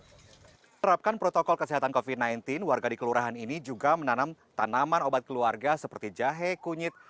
menerapkan protokol kesehatan covid sembilan belas warga di kelurahan ini juga menanam tanaman obat keluarga seperti jahe kunyit